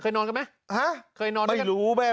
การนอนไม่จำเป็นต้องมีอะไรกัน